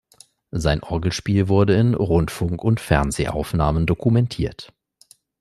Sein Orgelspiel wurde in Rundfunk- und Fernsehaufnahmen dokumentiert.